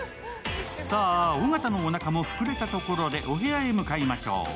さぁ、尾形のおなかも膨れたところでお部屋へ向かいましょう。